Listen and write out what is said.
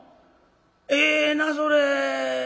ええなそれ。